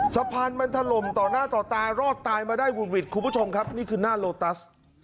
สะพานมันถล่มต่อหน้าต่อตารอดตายมาได้หุดหวิดคุณผู้ชมครับนี่คือหน้าโลตัส